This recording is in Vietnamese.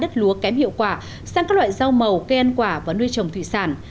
đất lúa kém hiệu quả sang các loại rau màu cây ăn quả và nuôi trồng thủy sản